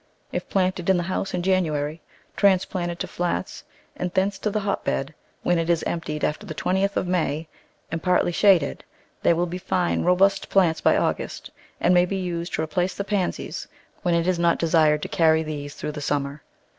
If planted in the house in January, transplanted to flats, and thence to the hot Digitized by Google Eight] f&oufitsplante *7 bed when it is emptied after the 20th of May, and partly shaded, they will be fine, robust plants by August, and may be used to replace the Pansies when it is not desired to carry these through the summer.